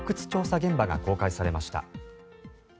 現場が公開されました。